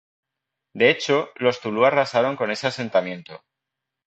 De hecho, los zulú arrasaron con ese asentamiento.